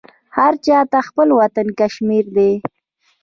هرچاته خپل وطن کشمیردی